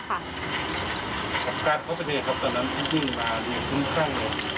ประกันเขาเป็นอย่างไรครับตอนนั้นเขาวิ่งมาอย่างคุ้มข้างเลย